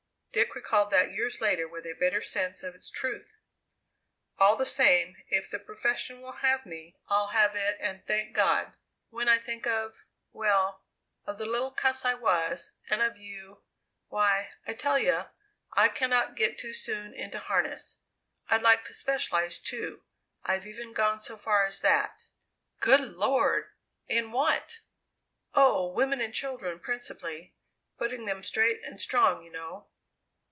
Dick recalled that years later with a bitter sense of its truth! "All the same, if the profession will have me, I'll have it and thank God. When I think of well, of the little cuss I was, and of you why, I tell you, I cannot get too soon into harness. I'd like to specialize, too. I've even gone so far as that." "Good Lord! In what?" "Oh, women and children, principally putting them straight and strong, you know."